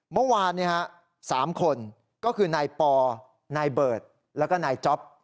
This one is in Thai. เมื่อวาน๓คนก็คือนายปอนายเบิร์ตแล้วก็นายจ๊อป